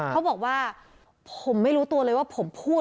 เขาบอกว่าผมไม่รู้ตัวเลยว่าผมพูด